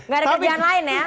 gak ada kejadian lain ya